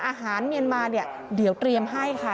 อาหารเมียนมาเนี่ยเดี๋ยวเตรียมให้ค่ะ